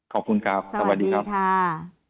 ขอบคุณครับสวัสดีครับค่ะ